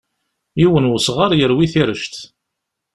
Yiwen n usɣar yerwi tirect.